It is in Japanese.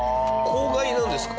公害なんですか？